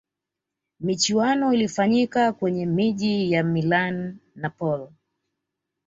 michuano ilifanyika kwenye miji ya milan napoli